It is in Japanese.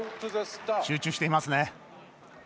集中していますね。